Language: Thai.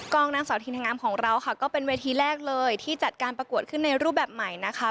นางสาวทีมนางงามของเราค่ะก็เป็นเวทีแรกเลยที่จัดการประกวดขึ้นในรูปแบบใหม่นะคะ